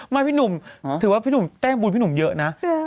พี่หนุ่มถือว่าพี่หนุ่มแต้มบุญพี่หนุ่มเยอะนะ